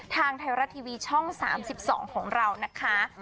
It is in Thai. ทางไทยรัฐทีวีช่อง๓๒ของเรานะคะ